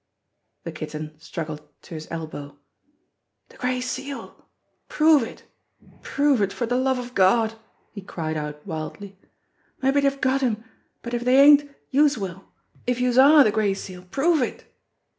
The Kitten struggled to his elbow. "De Gray Seal ! Prove it ! Prove it for de love of Gawd !" he cried out wildly. "Mabbe dey've got him, but if dey ain't, youse will if youse are de Gray Seal. Prove it